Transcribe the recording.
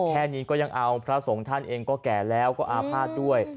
แค่นี้ก็ยังเอาพระสงฆ์ท่านเองก็แก่แล้วก็อาภาษณ์ด้วย